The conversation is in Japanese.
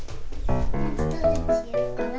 どれにしようかな。